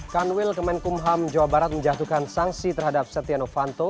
kanwil kemenkumham jawa barat menjatuhkan sanksi terhadap setia novanto